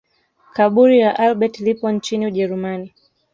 Kaburi la Albert lipo nchini Ujerumani